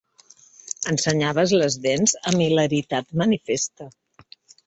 Ensenyaves les dents amb hilaritat manifesta.